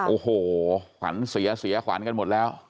โอ้โหขวัญเสียเสียขวัญกันหมดแล้ว